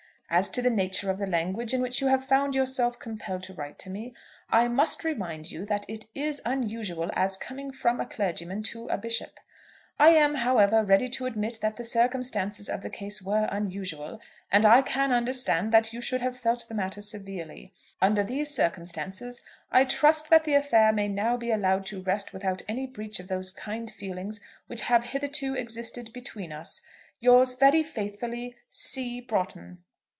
"As to the nature of the language in which you have found yourself compelled to write to me, I must remind you that it is unusual as coming from a clergyman to a bishop. I am, however, ready to admit that the circumstances of the case were unusual, and I can understand that you should have felt the matter severely. Under these circumstances, I trust that the affair may now be allowed to rest without any breach of those kind feelings which have hitherto existed between us. Yours very faithfully, "C. BROUGHTON."